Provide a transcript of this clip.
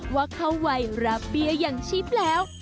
ว่าเขาไวรับเบียบอย่างชีพแล้ว